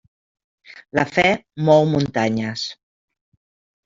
La fe mou muntanyes.